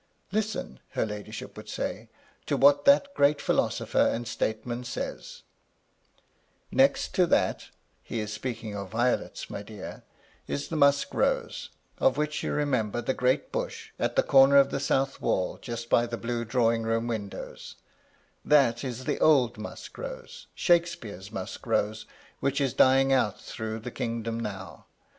"Listen," her ladyship would say, "to what that great philosopher and statesman says, * Next to that," — he is speaking of violets, my dear, —* is the musk rose,' — of which you remember the great bush, at the comer of the south wall just by the Blue Drawing room windows ; that is the old musk rose, Shakespeare's musk rose, which is dying out through the kingdom now.